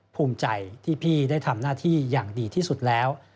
ภูมิใจที่พี่ได้ทำหน้าที่อย่างดีที่สุดแล้ว